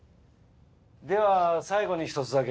では最後に１つだけ。